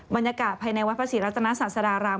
บรรยากาศภายในวัดพระศรีรัตนศาสดาราม